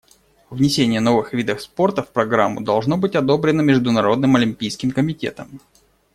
Внесение новых видов спорта в программу должно быть одобрено Международным олимпийским комитетом.